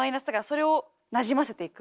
それをなじませていく。